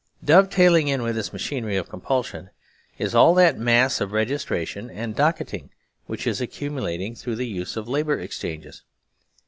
Dovetailing in with this machinery of compulsion is all that mass of registration and doc keting which is accumulating through the use of Labour Exchanges.